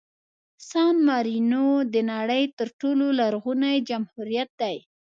سان مارینو د نړۍ تر ټولو لرغوني جمهوریت دی.